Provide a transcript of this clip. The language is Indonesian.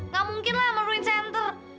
gak mungkin lah meruin senter